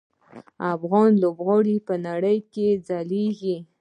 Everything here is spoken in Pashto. افغان لوبغاړي په نړۍ کې ځلیږي.